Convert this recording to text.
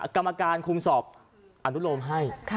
กรรมการคุมสอบอนุโลมให้